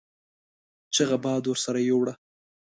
چيغه باد ورسره يو وړه.